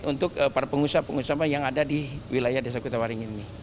untuk para pengusaha pengusaha yang ada di wilayah desa kutawaringin ini